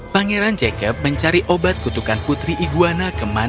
pangeran jacob mencari obat kutukan putri iguana kemana